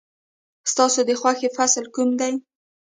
ستا د خوښې فصل کوم دی؟